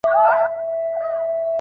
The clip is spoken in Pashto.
د بډای په ختم کي ملا نه ستړی کېږي.